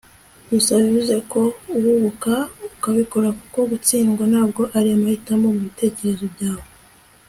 gusa bivuze ko uhubuka ukabikora kuko gutsindwa ntabwo ari amahitamo mubitekerezo byawe